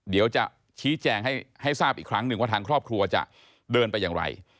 เดี๋ยวจะชี้แจงให้ทราบอีกครั้งหนึ่งว่าทางครอบครัวจะเดินไปอย่างไร